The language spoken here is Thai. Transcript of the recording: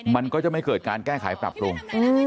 มันก็จะไม่เกิดการแก้ไขปรับปรุง